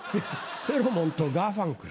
フェロモンとガーファンクル。